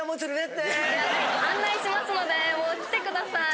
案内しますので来てください。